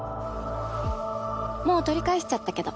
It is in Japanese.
もう取り返しちゃったけど。